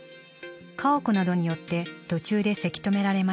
家屋などによって途中でせき止められました。